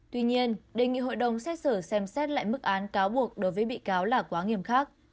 tuy nhiên đề nghị hội đồng xét xử xem xét lại mức án cáo buộc đối với bị cáo là quá nghiêm khắc